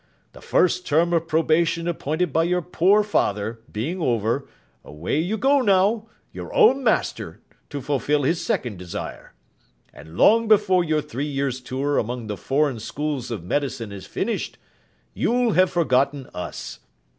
The first term of probation appointed by your poor father, being over, away you go now, your own master, to fulfil his second desire. And long before your three years' tour among the foreign schools of medicine is finished, you'll have forgotten us.